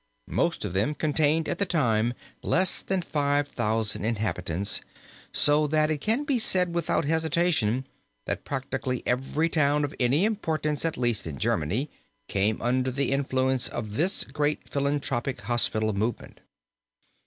Most of them contained at the time less than five thousand inhabitants, so that it can be said without hesitation, that practically every town of any importance, at least in Germany, came under the influence of this great philanthropic hospital movement.